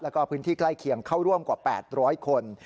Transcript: แล้วก็พื้นที่ใกล้เคียงเข้าร่วมกว่า๘๐๐คน